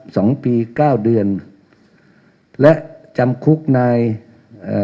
สองปีเก้าเดือนและจำคุกในเอ่อ